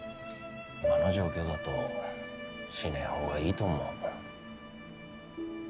今の状況だとしねぇほうがいいと思う。